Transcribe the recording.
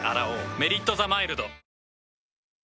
「メリットザマイルド」